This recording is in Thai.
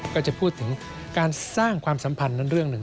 ก็จะพูดถึงการสร้างความสัมพันธ์นั้นเรื่องหนึ่ง